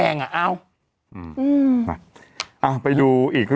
ศูนย์อุตุนิยมวิทยาภาคใต้ฝั่งตะวันอ่อค่ะ